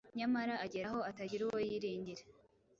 nyamara agera aho atagira uwo yiringira.